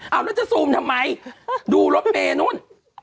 เอาน่าจะซูมทำไมดูรถแม่นนู้น